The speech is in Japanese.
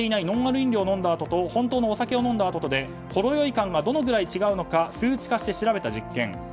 ノンアル飲料を飲んだあとと本当のお酒を飲んだあととでほろ酔い感がどのくらい違うのか数値化して調べた実験。